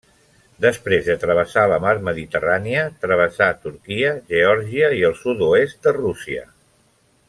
Després de travessar la mar Mediterrània, travessà Turquia, Geòrgia i el sud-oest de Rússia.